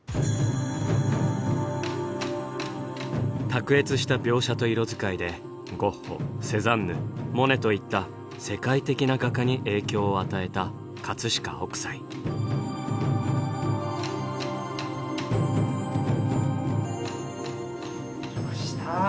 卓越した描写と色使いでゴッホセザンヌモネといった世界的な画家に影響を与えた飾北斎。来ました。